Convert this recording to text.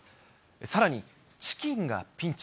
さらにチキンがピンチ。